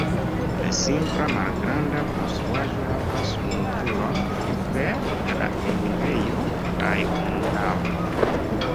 La simpla, malgranda konstruaĵo havas unu turon super la enirejo kaj unu navon.